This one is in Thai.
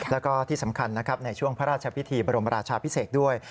แล้วก็ที่สำคัญนะครับในช่วงพระราชพิธีบรมราชาพิเศษด้วย